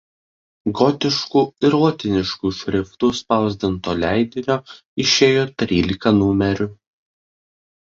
Gotišku ir lotynišku šriftu spausdinto leidinio išėjo trylika numerių.